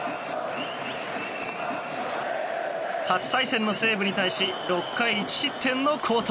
初対戦の西武に対し６回１失点の好投。